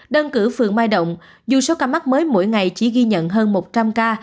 đơn cử phường mai động dù số ca mắc mới mỗi ngày chỉ ghi nhận hơn một trăm linh ca